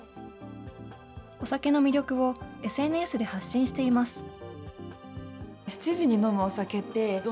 お酒の魅力をＳＮＳで発信しています。